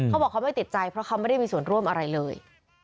เขาบอกเขาไม่ติดใจเพราะเขาไม่ได้มีส่วนร่วมอะไรเลย